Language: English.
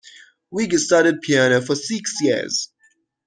Vig studied piano for six years.